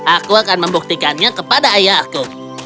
aku akan membuktikannya kepada ayahku